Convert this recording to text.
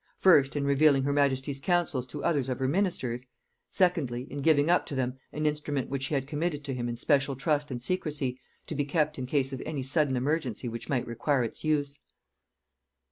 First, in revealing her majesty's counsels to others of her ministers; secondly, in giving up to them an instrument which she had committed to him in special trust and secrecy, to be kept in case of any sudden emergency which might require its use.